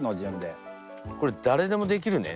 これ誰でもできるね。